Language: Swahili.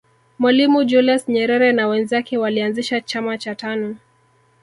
mwalimu julius nyerere na wenzake walianzisha chama cha tanu